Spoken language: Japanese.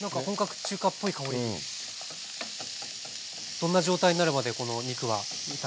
どんな状態になるまでこの肉は炒めますか？